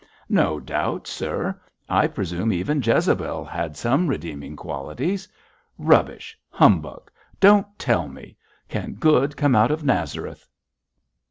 'No doubt, sir. I presume even Jezebel had some redeeming qualities. Rubbish! humbug! don't tell me! Can good come out of Nazareth?'